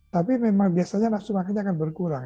tapi memang biasanya nafsu makannya akan berkurang